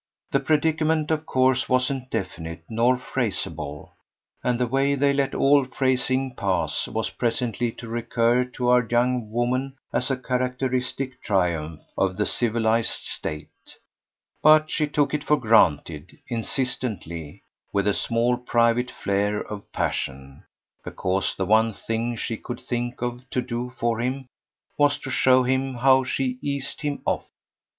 The predicament of course wasn't definite nor phraseable and the way they let all phrasing pass was presently to recur to our young woman as a characteristic triumph of the civilised state; but she took it for granted, insistently, with a small private flare of passion, because the one thing she could think of to do for him was to show him how she eased him off.